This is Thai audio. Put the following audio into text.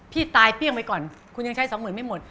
พี่ตายเปรี้ยงไปก่อนคุณยังใช้สองหมื่นไม่หมด